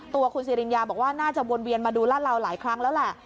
ตัวคุณสิริญญาบอกว่าน่าจะวนเวียนมาดูลาดเหลาหลายครั้งแล้วแหละ